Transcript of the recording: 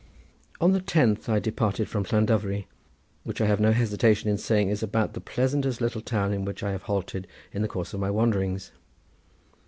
On the tenth I departed from Llandovery, which I have no hesitation in saying is about the pleasantest little town in which I have halted in the course of my wanderings.